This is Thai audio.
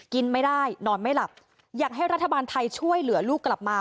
กินไม่ได้นอนไม่หลับอยากให้รัฐบาลไทยช่วยเหลือลูกกลับมา